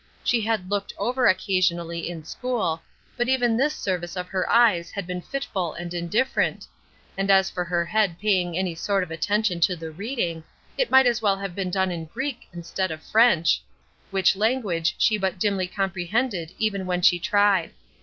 She had "looked over" occasionally in school, but even this service of her eyes had been fitful and indifferent; and as for her head paying any sort of attention to the reading, it might as well have been done in Greek instead of French, which language she but dimly comprehended even when she tried.